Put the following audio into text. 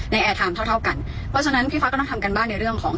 แอร์ไทม์เท่าเท่ากันเพราะฉะนั้นพี่ฟ้าก็ต้องทำการบ้านในเรื่องของ